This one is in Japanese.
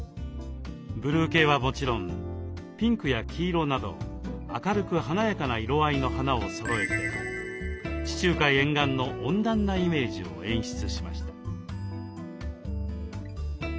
ブルー系はもちろんピンクや黄色など明るく華やかな色合いの花をそろえて地中海沿岸の温暖なイメージを演出しました。